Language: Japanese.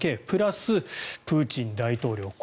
プラス、プーチン大統領。